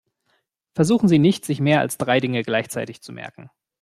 Versuchen Sie nicht, sich mehr als drei Dinge gleichzeitig zu merken.